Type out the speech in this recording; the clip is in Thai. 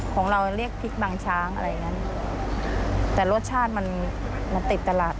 ของเราเรียกพริกบางช้างอะไรอย่างนั้นแต่รสชาติมันมันติดตลาด